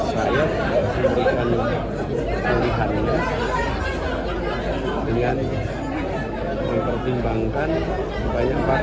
saya berikan pengalaman dengan mempertimbangkan banyak partai